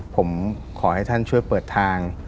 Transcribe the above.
ผมขอให้ท่านช่วยเปิดทาง